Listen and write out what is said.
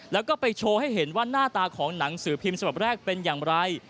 แล้วก็ไปโชว์ให้เห็นว่าหน้าตาของหนังสือพิมพ์ฉบับแรกเป็นอย่างไร